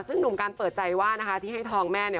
ซึ่งหนุ่มการเปิดใจว่านะคะที่ให้ทองแม่เนี่ย